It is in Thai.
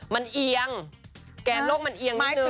มันเอียงแกนโลกมันเอียงนิดนึง